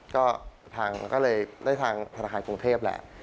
ก็เลยได้ทางธนาคารกรุงเทพแหละ